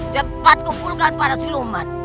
cepat kukulkan para siapapun